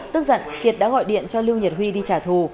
tức giận kiệt đã gọi điện cho lưu nhật huy đi trả thù